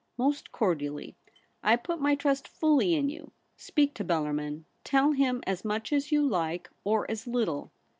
' Most cordially. I put my trust fully in you. Speak to Bellarmin. Tell him as much as you like, or as little.'